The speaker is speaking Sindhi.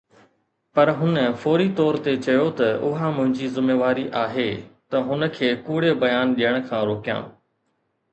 پر هن فوري طور تي چيو ته اها منهنجي ذميواري آهي ته هن کي ڪوڙي بيان ڏيڻ کان روڪيان.